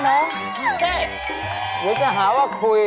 เจ๊อยากจะหาว่าคุย